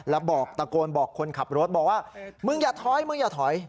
แล้วบอกตะโกนบอกคนขับรถบอกว่ามึงอย่าถอยมึงอย่าถอย